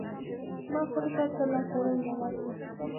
ما خپله تاسو ته لاس تړلى راوستو.